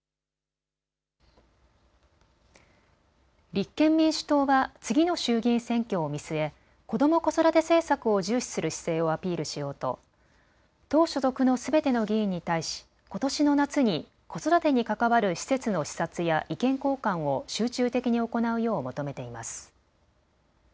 立憲民主党は次の衆議院選挙を見据え、子ども・子育て政策を重視する姿勢をアピールしようと党所属のすべての議員に対しことしの夏に子育てに関わる施設の視察や意見交換を集中的に行うよう求めています。